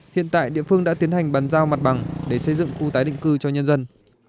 hiện tại địa phương đã tiến hành bàn giao mặt bằng để xây dựng khu tái định cư cho nhân dân